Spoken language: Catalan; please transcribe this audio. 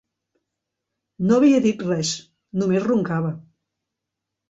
No havia dit res, només roncava.